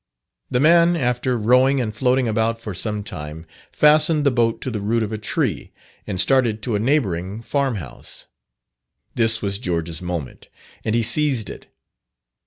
The man after rowing and floating about for some time fastened the boat to the root of a tree, and started to a neighbouring farm house. This was George's moment, and he seized it.